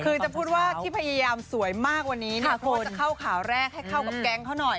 คือจะพูดว่าที่พยายามสวยมากกว่านี้เนี่ยเพราะว่าจะเข้าข่าวแรกให้เข้ากับแก๊งเขาหน่อย